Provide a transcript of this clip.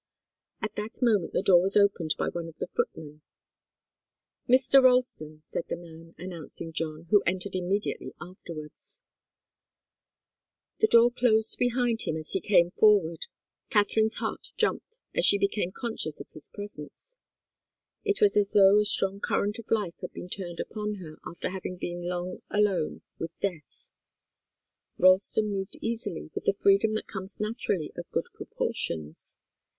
At that moment the door was opened by one of the footmen. "Mr. Ralston," said the man, announcing John, who entered immediately afterwards. The door closed behind him as he came forward. Katharine's heart jumped, as she became conscious of his presence. It was as though a strong current of life had been turned upon her after having been long alone with death. Ralston moved easily, with the freedom that comes naturally of good proportions.